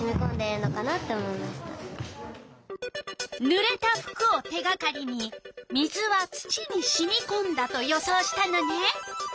ぬれた服を手がかりに「水は土にしみこんだ」と予想したのね。